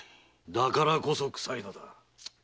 だからこそクサイのだ。